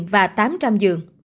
và tám trăm linh dường